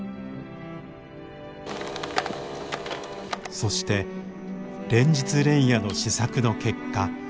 そして連日連夜の試作の結果。